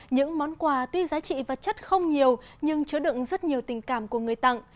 những món quà tuy giá trị và chất không nhiều nhưng chứa đựng rất nhiều tình cảm của người tặng